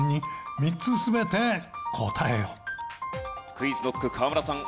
ＱｕｉｚＫｎｏｃｋ河村さん